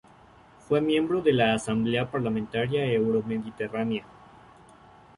Fue miembro de la Asamblea Parlamentaria Euro-Mediterránea.